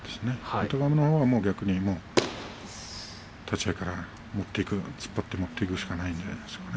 豊山のほうは、立ち合いから突っ張って持っていくしかないんじゃないでしょうか。